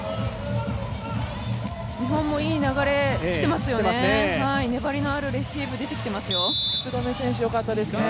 日本もいい流れ来てますよね。